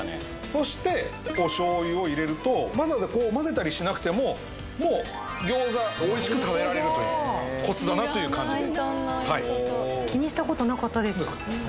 そしてお醤油を入れるとわざわざこう混ぜたりしなくてももう餃子おいしく食べられるというコツだなという感じではい気にしたことなかったです